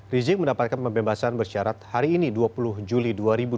rizik mendapatkan pembebasan bersyarat hari ini dua puluh juli dua ribu dua puluh